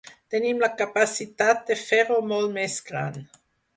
Tenim la capacitat de fer-ho molt més gran.